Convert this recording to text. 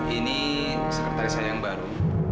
ini sekretaris saya yang baru